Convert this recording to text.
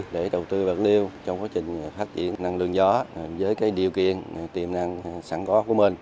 để đầu tư bạc liêu trong quá trình phát triển năng lượng gió với điều kiện tiềm năng sẵn có của mình